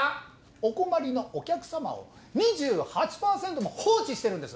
お困りのお客様を２８％も放置してるんです！